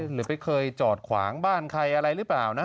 หรือไปเคยจอดขวางบ้านใครอะไรหรือเปล่านะ